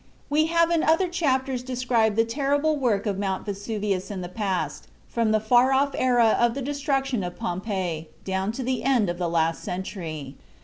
We have in other chapters described the terrible work of Mount Vesuvius in the past, from the far off era of the destruction of Pompeii down to the end of the last century.